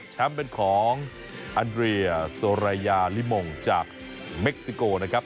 เป็นของอันเรียโซรายาลิมงจากเม็กซิโกนะครับ